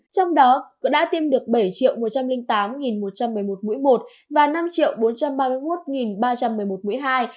trong đó đã tiêm được bảy một trăm linh tám một trăm một mươi một mũi một và năm bốn trăm ba mươi một ba trăm một mươi một mũi hai